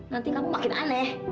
nanti kamu makin aneh